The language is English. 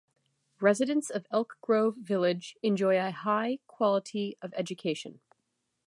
Residents of Elk Grove Village enjoy a high quality of education.